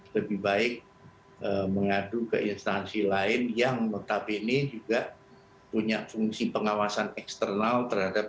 lebih baik mengadu ke instansi lain yang notabene juga punya fungsi pengawasan eksternal terhadap